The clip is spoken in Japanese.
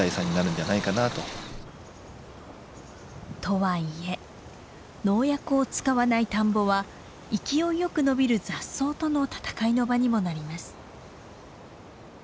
とはいえ農薬を使わない田んぼは勢いよく伸びる雑草との戦いの場にもなります。